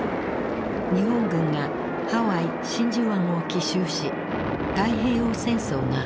日本軍がハワイ・真珠湾を奇襲し太平洋戦争が始まった。